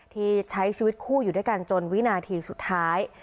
ที่ใช้ชีวิตคู่อยู่ด้วยกันจนวินาทีสุดท้าย